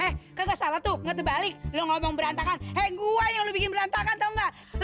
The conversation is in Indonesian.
hei kagak salah tuh gak terbalik lu ngomong berantakan hei gua yang lu bikin berantakan tau gak